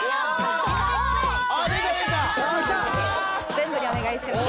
全部にお願いします。